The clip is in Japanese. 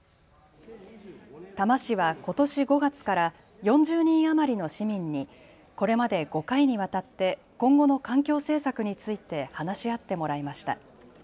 多摩市は、ことし５月から４０人余りの市民にこれまで５回にわたって今後の環境政策について話し合ってもらいました。